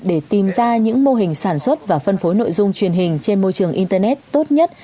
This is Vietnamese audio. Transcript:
để tìm ra những mô hình sản xuất và phân phối nội dung truyền hình trên môi trường internet tốt nhất